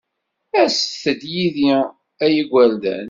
Aset-d yid-i a igerdan.